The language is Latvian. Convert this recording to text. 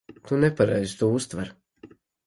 Tu nepareizi to uztver.